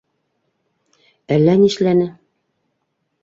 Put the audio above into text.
Әллә нишләне.